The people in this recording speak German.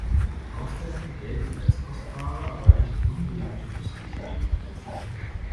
Austern gelten als kostbare aber nicht unbedingt köstliche Delikatesse.